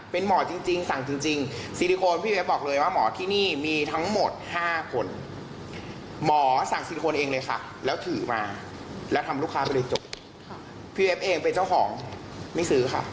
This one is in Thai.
พูดเลยยังไม่ซื้อเพราะอะไร